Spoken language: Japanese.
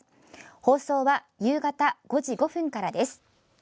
放送は夕方５時５分からです。